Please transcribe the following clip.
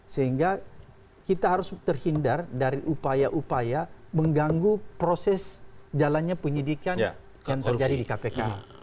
sehingga kita harus terhindar dari upaya upaya mengganggu proses jalannya penyidikan yang terjadi di kpk